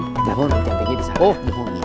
nah pak saum nanti yang pingin disana